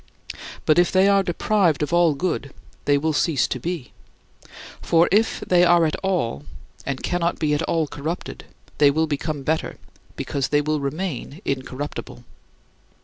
But if they are deprived of all good, they will cease to be. For if they are at all and cannot be at all corrupted, they will become better, because they will remain incorruptible.